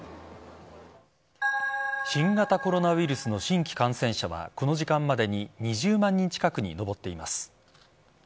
新型コロナウイルスの新規感染者はこの時間までに２０万人近くに上っています。